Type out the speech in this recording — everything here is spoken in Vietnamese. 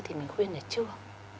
thì mình khuyên là chưa